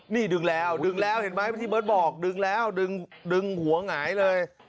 นี่ดึงแล้วดึงแล้วเห็นไหมที่เบิร์ตบอกดึงแล้วดึงหัวหงายเลย